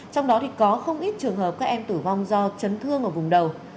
trong đó thì có không ít trường hợp các em tử vong do chấn thương ở vùng đầu